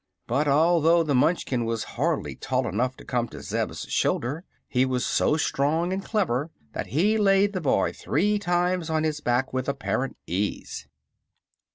But although the Munchkin was hardly tall enough to come to Zeb's shoulder he was so strong and clever that he laid the boy three times on his back with apparent ease.